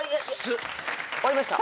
終わりました？